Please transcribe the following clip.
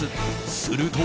すると。